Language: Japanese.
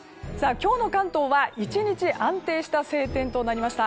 今日の関東は１日安定した晴天となりました。